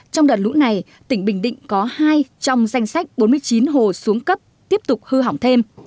trong đợt lũ này tỉnh bình định có hai trong danh sách bốn mươi chín hồ xuống cấp tiếp tục hư hỏng thêm